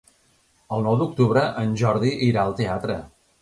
El nou d'octubre en Jordi irà al teatre.